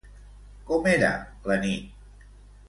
Com era la nit?